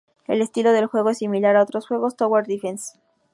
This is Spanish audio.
El estilo de juego es similar a otros juegos "tower defense".